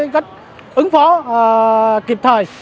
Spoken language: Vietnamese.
cách ứng phó kịp thời